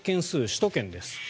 首都圏です。